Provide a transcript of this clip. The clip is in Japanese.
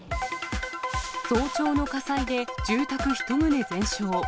早朝の火災で住宅１棟全焼。